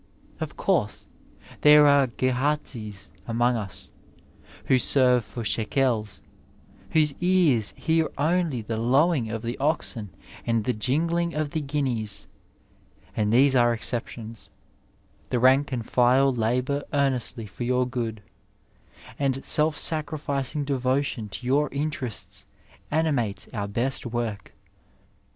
Of course there are Gehazis among us who 126 Digitized by VjOOQIC TEACHING AND THINKING serve for shekels, whose ears hear only the lowing of the oxen and the jingling of the guineas, but these are excep tions. The rank and file labour earnestly for your good, and self sacrificing devotion to yonr interests animates onr best work.